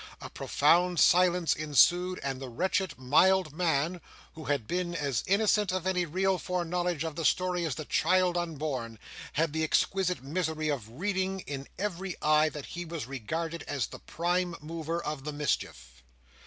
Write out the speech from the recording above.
A profound silence ensued; and the wretched mild man, who had been as innocent of any real foreknowledge of the story as the child unborn, had the exquisite misery of reading in every eye that he was regarded as the prime mover of the mischief.